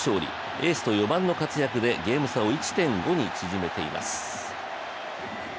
エースと４番の活躍でゲーム差を１．５に縮めています。